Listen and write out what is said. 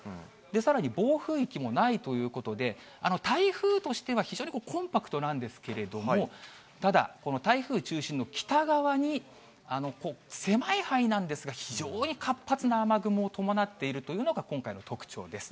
さらに暴風域もないということで、台風としては非常にコンパクトなんですけれども、ただ、この台風中心の北側に、狭い範囲なんですが、非常に活発な雨雲を伴っているというのが、今回の特徴です。